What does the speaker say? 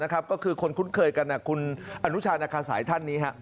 ก็คือคนคุ้นเคยกันคุณอนุชานาคาสายท่านนี้